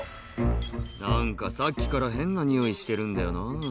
「何かさっきから変なにおいしてるんだよな」